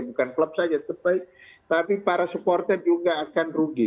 bukan klub saja tapi para supporter juga akan rugi